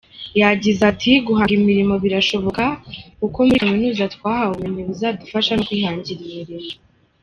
Yagize ati “Guhanga imirimo birashoboka kuko muri Kaminuza twahawe ubumenyi buzadufasha no kwihangira imirimo.